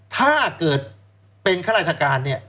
ถ้าเกิดเป็นค่าราชการ